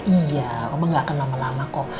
iya mama nggak akan lama lama kok